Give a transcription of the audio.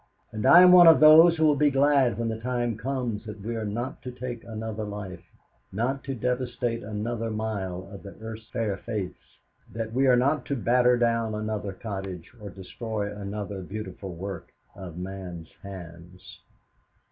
And I am one of those who will be glad when the time comes that we are not to take another life, not to devastate another mile of the earth's fair face; that we are not to batter down another cottage, or destroy another beautiful work of man's hands.